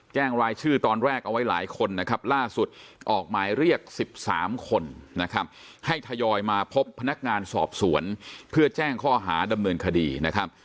รายชื่อตอนแรกเอาไว้หลายคนนะครับล่าสุดออกหมายเรียก๑๓คนนะครับให้ทยอยมาพบพนักงานสอบสวนเพื่อแจ้งข้อหาดำเนินคดีนะครับ